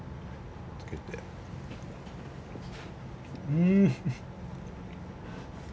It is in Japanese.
うん。